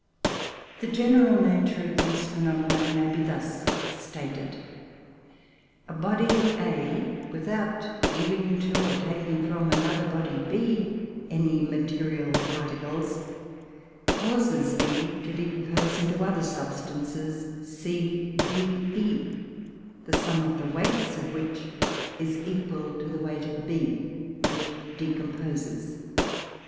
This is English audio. The general nature of these phenomena may be thus stated: A body, A, without giving to, or taking from, another body B, any material particles, causes B to decompose into other substances, C, D, E, the sum of the weights of which is equal to the weight of B, which decomposes.